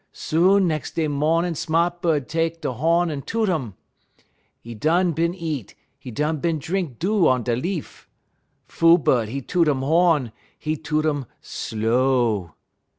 Soon nex' day mornin' sma't bud tek 'e ho'n en toot um. 'E done bin eat, 'e done bin drink dew on da leaf. Fool bud, 'e toot um ho'n, 'e toot um slow.